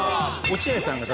落合さんが